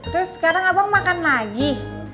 terus sekarang abang makan lagi